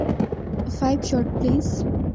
Five shot, please.